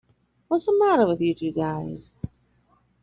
What's the matter with you two guys?